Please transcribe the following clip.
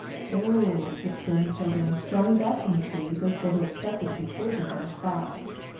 "O h!" exclaimed the children, drawing back from the trees as though they expected to be poisoned on the spot.